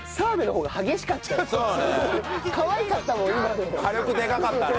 かわいかったもん